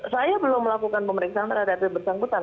saya belum melakukan pemeriksaan terhadap yang bersangkutan